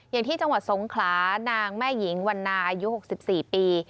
อย่างที่จังหวัดสงขลานางแม่หญิงวันนาอายุ๖๔ปี